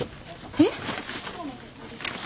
えっ？